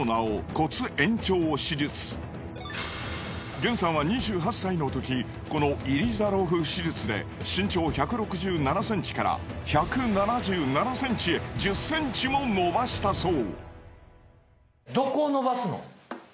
Ｇｅｎさんは２８歳のときこのイリザロフ手術で身長１６７ｃｍから１７７ｃｍへ１０ｃｍも伸ばしたそう。